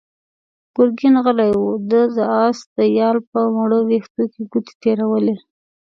ګرګين غلی و، ده د آس د يال په مړو وېښتو کې ګوتې تېرولې.